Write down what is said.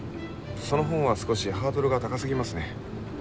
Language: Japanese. その本は少しハードルが高すぎますね。